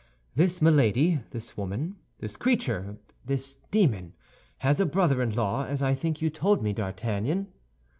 "This Milady, this woman, this creature, this demon, has a brother in law, as I think you told me, D'Artagnan?"